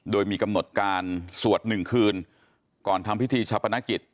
โดยมีกำหนดการสวด๑คืนก่อนทำพิธีชาปนกิจ